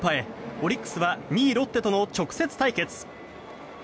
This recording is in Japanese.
オリックスは２位ロッテとの直接対決。